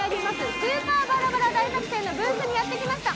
「スーパーバラバラ大作戦」のブースにやってきました。